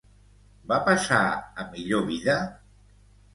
Va passar a millor vida?